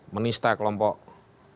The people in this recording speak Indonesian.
menista kelompok kelompok tertentu